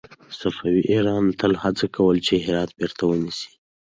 صفوي ایران تل هڅه کوله چې هرات بېرته ونيسي.